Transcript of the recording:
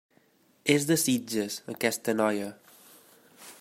És de Sitges, aquesta noia.